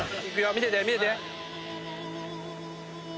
見てて見てて。